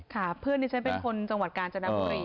เพื่อนที่ฉันเป็นคนจังหวัดกาญจนบุรี